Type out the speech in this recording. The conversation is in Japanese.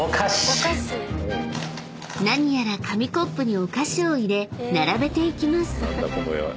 ［何やら紙コップにお菓子を入れ並べていきます］